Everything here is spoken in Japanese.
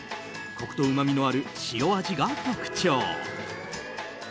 コクとうまみのある塩味が特徴。